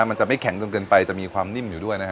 มันจะไม่แข็งจนเกินไปจะมีความนิ่มอยู่ด้วยนะฮะ